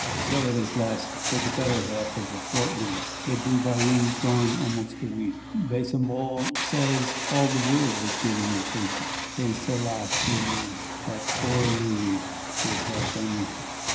So it has lasted for the better half of a fortnight; the Dubarry gone almost a week. Besenval says, all the world was getting impatient que cela finît; that poor Louis would have done with it.